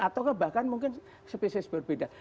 atau bahkan mungkin spesies berbeda